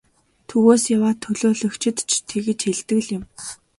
Төвөөс яваа төлөөлөгчид ч тэгж хэлдэг л юм.